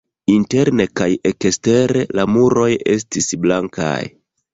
Interne kaj ekstere la muroj estis blankaj.